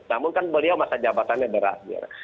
namun kan beliau masa jabatannya berakhir